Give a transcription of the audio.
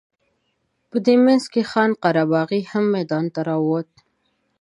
په دې منځ کې خان قره باغي هم میدان ته راووت.